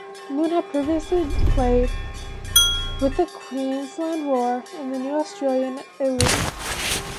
Moon had previously played with the Queensland Roar in the new Australian A-League.